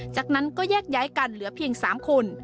จากนั้นก็แยกย้ายกันเหลือเพียง๓คน